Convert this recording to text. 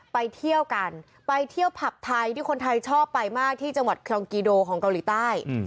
ไปเที่ยวกันไปเที่ยวผับไทยที่คนไทยชอบไปมากที่จังหวัดครองกิโดของเกาหลีใต้